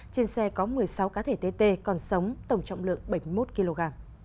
trên xe có một mươi sáu cá thể tt còn sống tổng trọng lượng bảy mươi một kg